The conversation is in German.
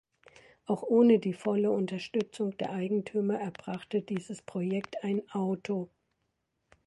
Auch ohne die volle Unterstützung der Eigentümer erbrachte dieses Projekt ein Auto.